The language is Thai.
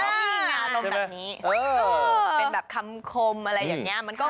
เป็นแบบคำคมอะไรอย่างนี้